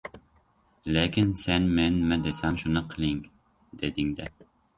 Lekin sen, men nima desam, shuni qiling, deding-da.